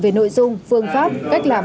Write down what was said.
về nội dung phương pháp cách làm